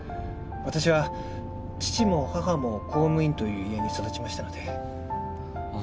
私は父も母も公務員という家に育ちましたのであ